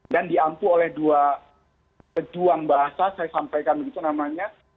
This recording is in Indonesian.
dan diampu oleh dua pejuang bahasa saya sampaikan begitu namanya